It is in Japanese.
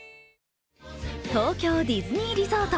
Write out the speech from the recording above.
東京ディズニーリゾート